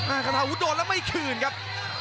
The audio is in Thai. อ่าฆาตาวุฒิโดดแล้วไม่คืนครับ